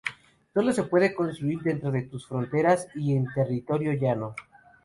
Solo se puede construir dentro de tus fronteras y en territorio llano.